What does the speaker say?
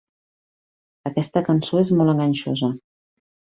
Aquesta cançó és molt enganxosa.